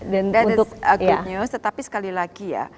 dan itu berita baik tetapi sekali lagi ya